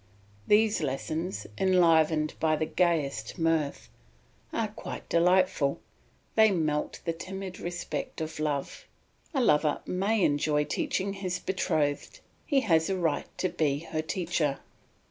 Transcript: These lessons, enlivened by the gayest mirth, are quite delightful, they melt the timid respect of love; a lover may enjoy teaching his betrothed he has a right to be her teacher.